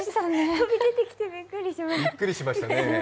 飛び出てきてビックリしました。